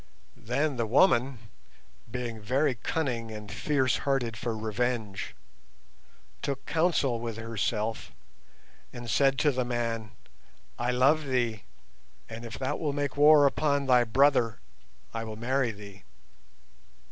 Then the woman, being very cunning and fierce hearted for revenge, took counsel with herself and said to the man, 'I love thee, and if thou wilt make war upon thy brother I will marry thee.